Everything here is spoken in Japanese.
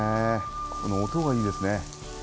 この音がいいですね。